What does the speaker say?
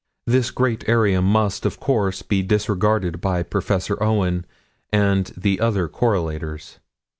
This great area must of course be disregarded by Prof. Owen and the other correlators.